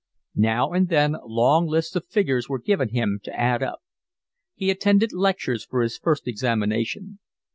Now and then long lists of figures were given him to add up. He attended lectures for his first examination.